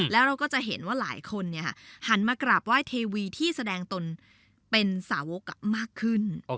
แล้วเราก็จะเห็นว่าหลายคนหันมากราบไหว้เทวีที่แสดงตนเป็นสาวกมากขึ้น